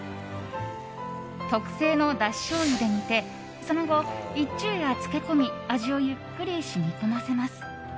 特製のだししょうゆで煮てその後、一昼夜漬け込み味をゆっくり染み込ませます。